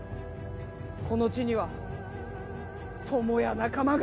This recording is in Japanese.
この地には友や仲間がいる。